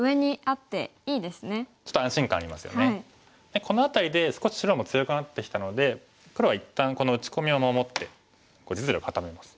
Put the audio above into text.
でこの辺りで少し白も強くなってきたので黒は一旦この打ち込みを守って実利を固めます。